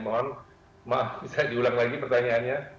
mohon maaf bisa diulang lagi pertanyaannya